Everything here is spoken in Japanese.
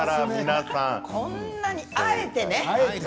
こんなに、あえてね